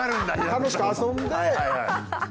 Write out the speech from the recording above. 楽しく遊んで。